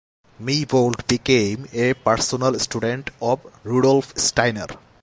Meebold became a personal student of Rudolf Steiner.